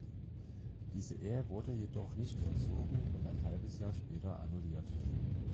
Diese Ehe wurde jedoch nicht vollzogen und ein halbes Jahr später annulliert.